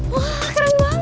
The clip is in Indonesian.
wah keren banget